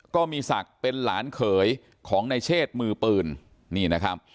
ก็มีศักดิ์เป็นหลานเขยของในเชศมือปืนนี่นะครับ